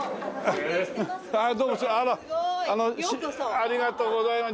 ありがとうございます。